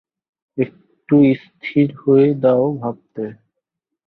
একটু স্থির হয়ে দাও ভাবতে।